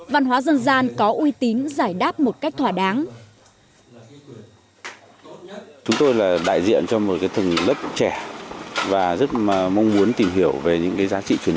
văn hóa dân gian có uy tín giải đáp một cách thỏa đáng